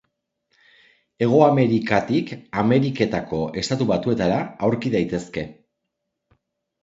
Hego Amerikatik Ameriketako Estatu Batuetara aurki daitezke.